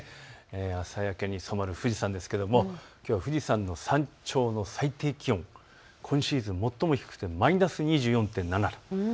朝焼けに染まる富士山ですが、きょうは富士山の山頂の最低気温、今シーズン最も低くてマイナス２４．７度。